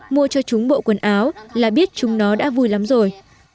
mua cho chúng bộ quần áo là biết chúng nó đã vui lắm rồi